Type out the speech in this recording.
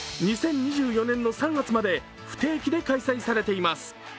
２０２４年の３月まで不定期で開催されています。